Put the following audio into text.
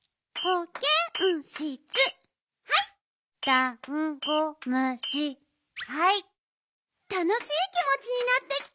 たのしいきもちになってきた。